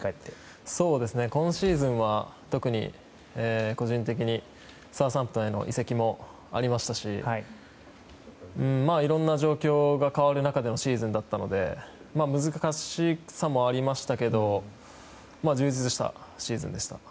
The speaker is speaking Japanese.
今シーズンは特に個人的に、サウサンプトンへの移籍もありましたしいろんな状況が変わる中でのシーズンだったので難しさもありましたけど充実したシーズンでした。